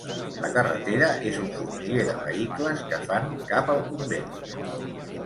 La carretera és un formiguer de vehicles que fan cap al convent.